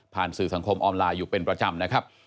สื่อสังคมออนไลน์อยู่เป็นประจำนะครับ